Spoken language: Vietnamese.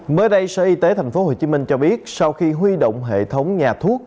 mới đây sở y tế tp hcm cho biết sau khi huy động hệ thống nhà thuốc